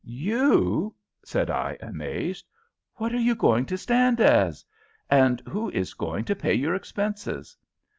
"You!" said I, amazed; "what are you going to stand as? and who is going to pay your expenses?"